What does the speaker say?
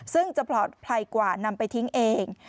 ซึ่งจะปลอดภัยกว่านำไปทิ้งเอง